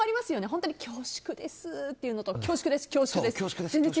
本当に恐縮ですというのと恐縮です、恐縮です。